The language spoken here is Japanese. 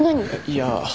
いや。